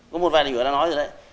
có một vài đề nghị đã nói rồi đấy